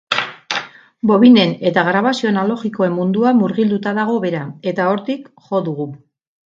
Bobinen eta grabazio analogikoen munduan murgilduta dago bera, eta hortik jo dugu.